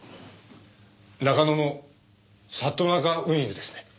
中野の里中運輸ですね。